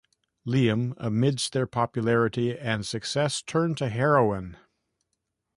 Liam, amidst their popularity and success, turned to heroin.